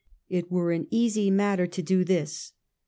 It were an easy matter to do this.